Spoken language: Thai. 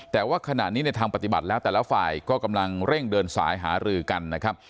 แต่ว่าขณะนี้ในทางปฏิบัติแล้วแต่ละฝ่ายก็กำลังเร่งเดินสายหารือกันนะครับ